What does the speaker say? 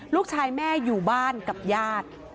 ลูกชายแม่อยู่บ้านกับญาติ